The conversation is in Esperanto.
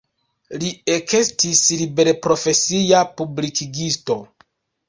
Li ekestis liberprofesia publikigisto.